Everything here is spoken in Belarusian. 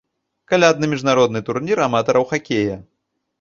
Калядны міжнародны турнір аматараў хакея.